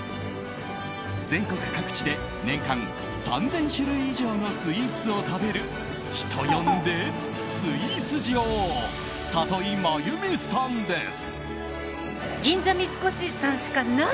全国各地で年間３０００種類以上のスイーツを食べる人呼んで、スイーツ女王里井真由美さんです。